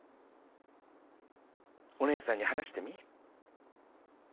おねえさんに話してみ？